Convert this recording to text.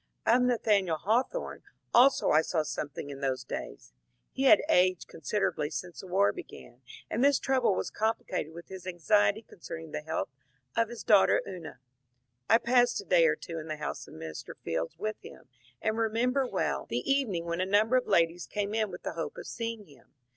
Of Nathaniel Hawthorne also I saw something in those days. He had aged considerably since the war began, and this trouble was complicated with his anxiety concerning the health of his daughter Una. I passed a day or two in the house of Mr. Fields with him, and remember well the evening when a number of ladies came in with the hope of seeing him.